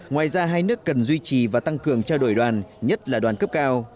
ngoài ra hai nước cần duy trì và tăng cường trao đổi đoàn nhất là đoàn cấp cao